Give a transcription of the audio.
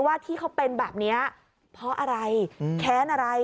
ว่าที่เขาเป็นแบบนี้เพราะอะไรแค้นอะไร